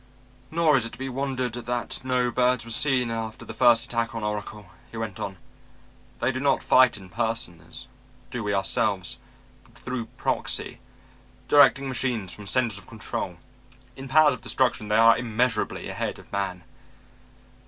"Nor is it to be wondered at that no birds were seen after the first attack on Oracle," he went on. "They do not fight in person, as do we ourselves, but through proxy, directing machines from centers of control. In powers of destruction, they are immeasurably ahead of man.